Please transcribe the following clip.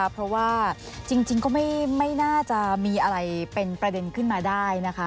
เพราะว่าจริงก็ไม่น่าจะมีอะไรเป็นประเด็นขึ้นมาได้นะคะ